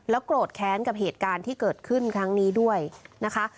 โกรธแค้นกับเหตุการณ์ที่เกิดขึ้นครั้งนี้ด้วยนะคะ